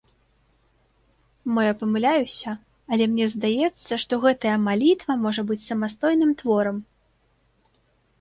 Мо я памыляюся, але мне здаецца, што гэтая малітва можа быць самастойным творам.